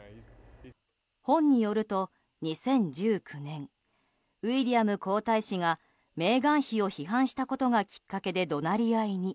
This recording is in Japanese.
本によると２０１９年、ウィリアム皇太子がメーガン妃を批判したことがきっかけで怒鳴り合いに。